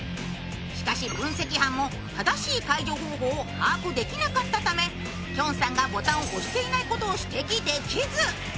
しかし、分析半も正しい解除方法を把握できなかったためきょんさんがボタンを押していないことを指摘できず。